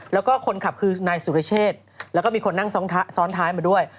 แล้วก็คนขับคือนายสุรเชษแล้วก็มีคนนั่งซ้อนท้ายมาด้วย